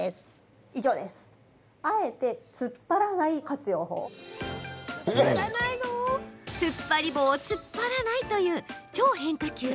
つっぱり棒を突っ張らないという超変化球。